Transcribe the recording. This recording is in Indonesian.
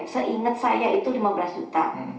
seingat saya itu lima belas juta